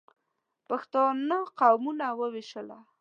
پښتانه قومونه ووېشله.